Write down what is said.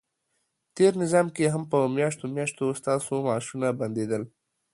تېر نظام کې هم په میاشتو میاشتو ستاسو معاشونه بندیدل،